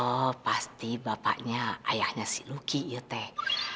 oh pasti bapaknya ayahnya si lucky ya teh